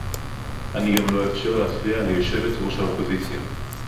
אני גם לא אאפשר להפריע ליושבת-ראש האופוזיציה